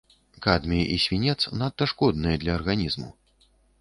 Кадмій і свінец надта шкодныя для арганізму.